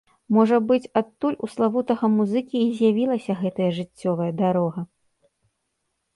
Можа быць, адтуль у славутага музыкі і з'явілася гэтая жыццёвая дарога.